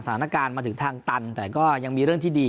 สถานการณ์มาถึงทางตันแต่ก็ยังมีเรื่องที่ดี